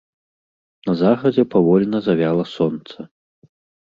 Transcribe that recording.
На захадзе павольна завяла сонца.